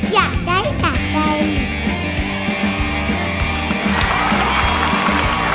อยากได้แบบนั้น